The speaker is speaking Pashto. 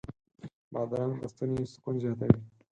بادرنګ د ستوني سکون زیاتوي.